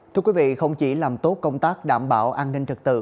thưa quý vị không chỉ làm tốt công tác đảm bảo an ninh trật tự